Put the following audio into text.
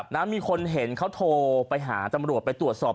นะมีคนเห็นเขาโทรไปหาตำรวจไปตรวจสอบ